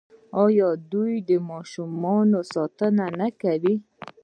آیا دوی د ماشومانو ساتنه نه کوي؟